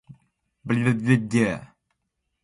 Ɗun ɗon fu binaaki am.